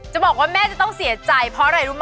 จะบอกว่าแม่จะต้องเสียใจเพราะอะไรรู้ไหม